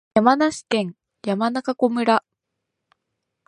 山梨県山中湖村